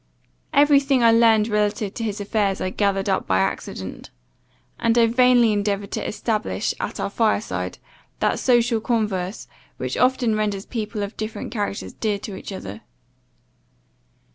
Every thing I learned relative to his affairs I gathered up by accident; and I vainly endeavoured to establish, at our fire side, that social converse, which often renders people of different characters dear to each other.